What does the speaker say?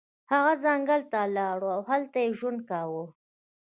هغه ځنګل ته لاړ او هلته یې ژوند کاوه.